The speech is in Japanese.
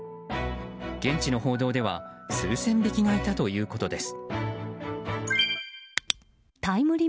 現地の報道では数千匹がいたということです。